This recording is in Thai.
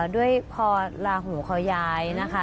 ด้วยพอลาหูเขาย้ายนะคะ